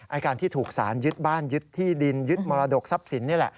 การที่ถูกสารยึดบ้านยึดที่ดินยึดมรดกทรัพย์สินนี่แหละ